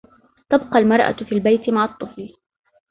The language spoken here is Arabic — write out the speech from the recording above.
تبقى المرأة في البيت مع الطفل.